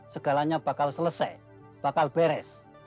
segalanya bakal selesai bakal beres